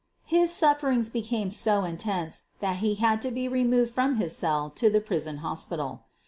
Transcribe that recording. His sufferings became so intense that he had to be removed from his cell to the prison hospital.